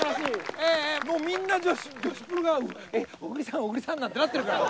ええもうみんな女子プロが小栗さん小栗さんなんてなってるから。